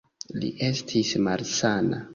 Li estis malsana.